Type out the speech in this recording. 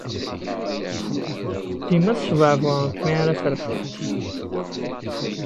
Dima tesbeɛbuɛemt mi ara terfumt.